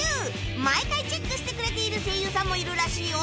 毎回チェックしてくれている声優さんもいるらしいよ